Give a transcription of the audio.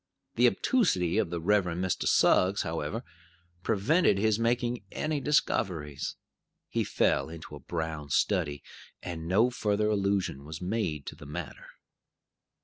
The obtusity of the Reverend Mr. Suggs, however, prevented his making any discoveries. He fell into a brown study, and no further allusion was made to the matter.